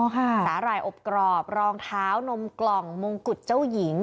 สาหร่ายอบกรอบรองเท้านมกล่องมงกุฎเจ้าหญิง